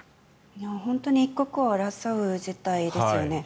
本当に一刻を争う事態ですよね。